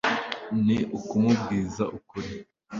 ni ukumubwiza ukuri